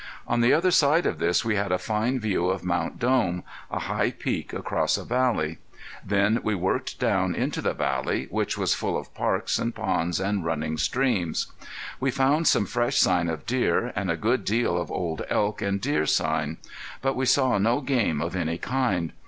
On the other side of this we had a fine view of Mt. Dome, a high peak across a valley. Then we worked down into the valley, which was full of parks and ponds and running streams. We found some fresh sign of deer, and a good deal of old elk and deer sign. But we saw no game of any kind.